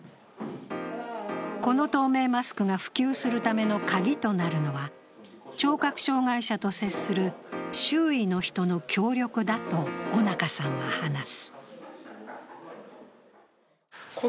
この透明マスクが普及するための鍵となるのは、聴覚障害者と接する周囲の人の協力だと、尾中さんは話す。